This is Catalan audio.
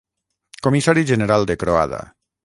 Comissari general de Croada.